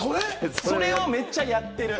それをめっちゃやってる。